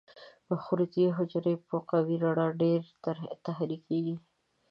مخروطي حجرې په قوي رڼا ډېرې تحریکېږي.